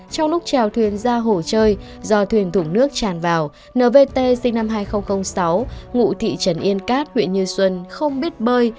trong lúc trèo thuyền ra hồ chơi do thuyền thủng nước tràn vào nvt sinh năm hai nghìn sáu ngụ thị trấn yên cát huyện như xuân không biết bơi